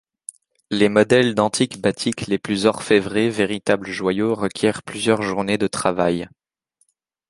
Les modèles d’Antik Batik les plus orfévrés, véritables joyaux, requièrent plusieurs journées de travail.